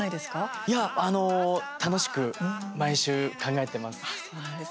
いや楽しく毎週、考えてます。